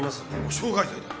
傷害罪だ。